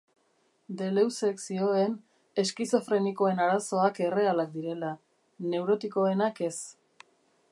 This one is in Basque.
Deleuzek zioen eskizofrenikoen arazoak errealak direla, neurotikoenak ez.